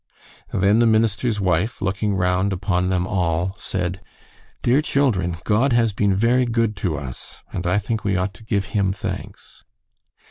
Then the minister's wife, looking round upon them all, said: "Dear children, God has been very good to us, and I think we ought to give him thanks."